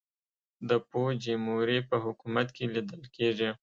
د فوجیموري په حکومت کې لیدل کېږي.